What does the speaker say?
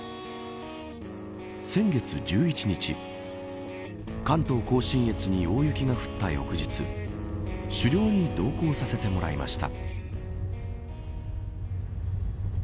先月１１日関東甲信越に大雪が降った翌日狩猟に同行させてもらいました。